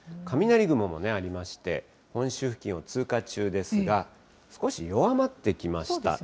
雷雲もありまして、本州付近を通過中ですが、少し弱まってきました。